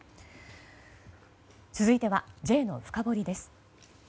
続いては、Ｊのフカボリです。